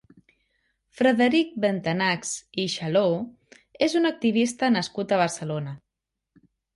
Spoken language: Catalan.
Frederic Bentanachs i Chalaux és un activista nascut a Barcelona.